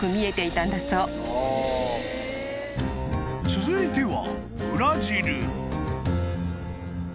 ［続いては］